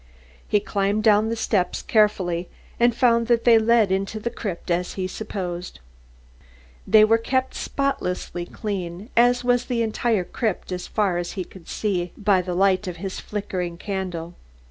He climbed down the steps carefully and found that they led into the crypt as he supposed. They were kept spotlessly clean, as was the entire crypt as far as he could see it by the light of his flickering candle.